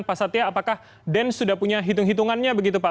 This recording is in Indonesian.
pak satya apakah den sudah punya hitung hitungannya begitu pak